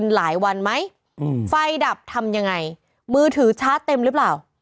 หลายวันไหมไฟดับทำยังไงมือถือช้าเต็มหรือเปล่า